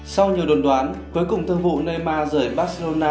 sau nhiều đồn đoán cuối cùng thương vụ neima rời barcelona